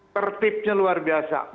tertipnya luar biasa